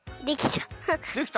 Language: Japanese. できた。